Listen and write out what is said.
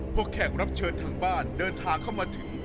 แขกรับเชิญทางบ้านเดินทางเข้ามาถึง